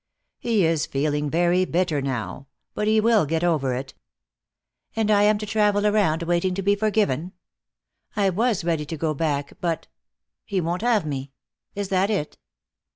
He is feeling very bitter now, but he will get over it." "And I am to travel around waiting to be forgiven! I was ready to go back, but he won't have me. Is that it?"